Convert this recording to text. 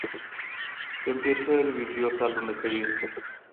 کمپيوټر ويډيو کالونه کوي.